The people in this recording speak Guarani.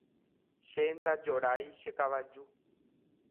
Che ndajorái che kavaju.